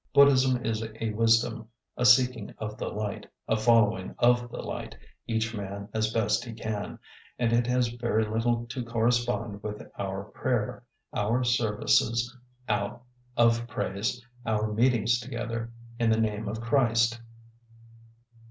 Buddhism is a wisdom, a seeking of the light, a following of the light, each man as best he can, and it has very little to correspond with our prayer, our services of praise, our meetings together in the name of Christ.